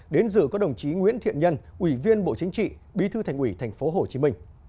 đến dự có đồng chí nguyễn thiện nhân ủy viên bộ chính trị bí thư thành ủy tp hcm